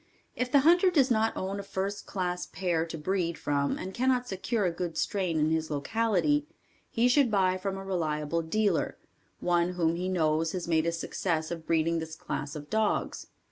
If the hunter does not own a first class pair to breed from and cannot secure a good strain in his locality, he should buy from a reliable dealer, one whom he knows has made a success of breeding this class of dogs.